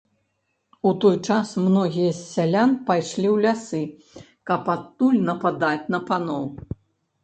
У той час многія з сялян пайшлі ў лясы, каб адтуль нападаць на паноў.